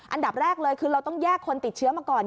อันดับแรกเลยคือเราต้องแยกคนติดเชื้อมาก่อน